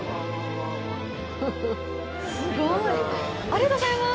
すごい！あっ、ありがとうございます！